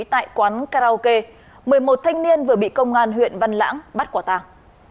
ngại quán karaoke một mươi một thanh niên vừa bị công an huyện văn lãng bắt quả tang